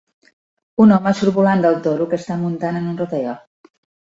Un home surt volant del toro que està muntant en un rodeo.